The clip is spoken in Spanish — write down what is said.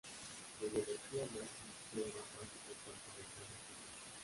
La ideología nazi era una parte importante del plan de estudios.